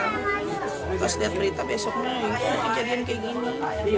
gimana terus dicari cari di rumah ya ada gitu gua pas liat berita besoknya kejadian kayak gini